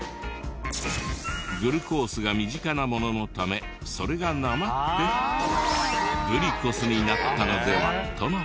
グルコースが身近なもののためそれがなまってグリコスになったのではとの事。